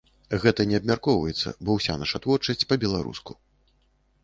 Гэта не абмяркоўваецца, бо ўся наша творчасць па-беларуску.